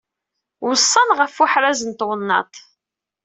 Weṣṣan ɣef uḥraz n twennaṭ.